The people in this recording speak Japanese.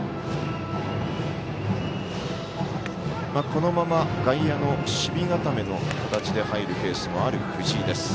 このまま外野の守備固めの形で入るケースもある藤井です。